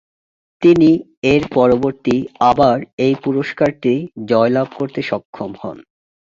তিনি এর পরবর্তী আবার এই পুরস্কারটি জয়লাভ করতে সক্ষম হন।